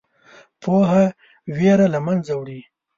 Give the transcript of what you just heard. پوهه ویره له منځه وړي.